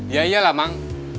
ya iyalah mang